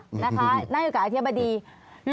เรานั่งอยู่กับอธิบดีเนาะคุณหน้ากันเนาะ